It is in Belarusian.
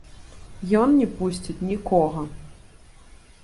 Ён не пусціць нікога.